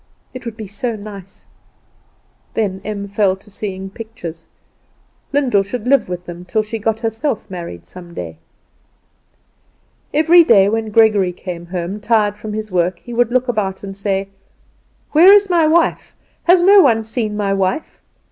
It would be so nice! Then Em fell to seeing pictures. Lyndall should live with them till she herself got married some day. Every day when Gregory came home, tired from his work, he would look about and say, "Where is my wife? Has no one seen my wife?